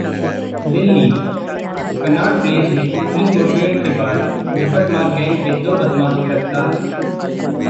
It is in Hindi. दिल्ली: कनॉट प्लेस में पुलिस मुठभेड़ के बाद झपटमार गैंग के दो बदमाश गिरफ्तार